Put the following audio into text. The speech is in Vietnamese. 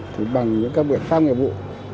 thì bằng những các biển pháp nghiệp vụ